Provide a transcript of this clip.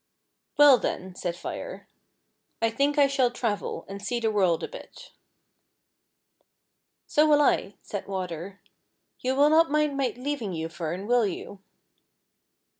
"Well, then," said Fire, "I think I shall travel, and see the world a bit." "So will 1" said Water. "You will not mind my leaving you, Fern, will you.''"